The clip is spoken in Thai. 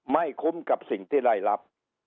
ไม่คุ้มกับสิ่งที่ได้รับ